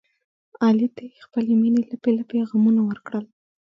علي ته یې خپلې مینې لپې لپې غمونه ورکړل.